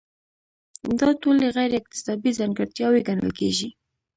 دا ټولې غیر اکتسابي ځانګړتیاوې ګڼل کیږي.